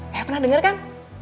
ayah pernah denger kan